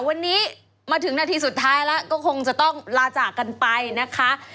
วันนี้มาถึงนาทีสุดท้ายแล้วก็คงจะต้องลาจากกันไปนะคะ